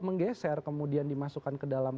menggeser kemudian dimasukkan ke dalam